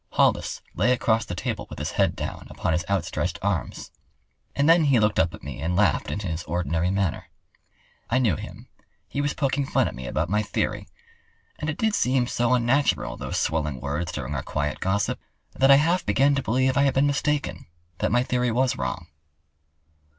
Hollis lay across the table with his head down upon his outstretched arms. And then he looked up at me and laughed in his ordinary manner. I knew him—he was poking fun at me about my theory. And it did seem so unnatural, those swelling words during our quiet gossip, that I half began to believe I had been mistaken—that my theory was wrong.